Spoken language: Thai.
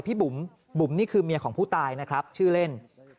บุ๋มบุ๋มนี่คือเมียของผู้ตายนะครับชื่อเล่น